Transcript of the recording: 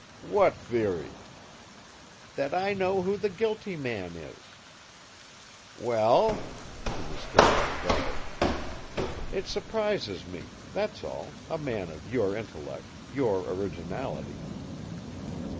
"What theory?" "That I know who the guilty man is." "Well?" He was still on guard. "It surprises me that's all a man of your intellect, your originality."